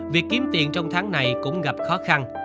việc kiếm tiền trong tháng này cũng gặp khó khăn